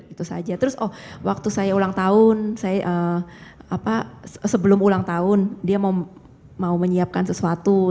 itu saja terus oh waktu saya ulang tahun sebelum ulang tahun dia mau menyiapkan sesuatu